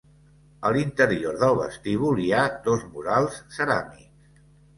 A l'interior del vestíbul hi ha dos murals ceràmics.